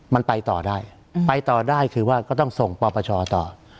มันไปต่อได้ไปต่อได้คือว่าก็ต้องส่งปปชต่อ